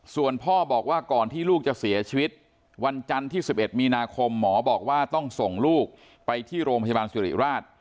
ส่วนพ่อบอกว่าก่อนที่ลูกจะเสียชีวิตวันจันทร์ที่๑๑มีนาคมหมอบอกว่าต้องส่งลูกไปที่โรงพยาบาลสิริราช